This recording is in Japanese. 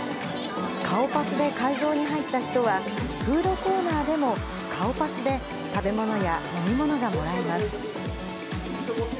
顔パスで会場に入った人は、フードコーナーでも顔パスで、食べ物や飲み物がもらえます。